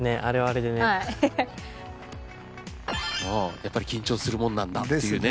やっぱり緊張するもんなんだっていうね。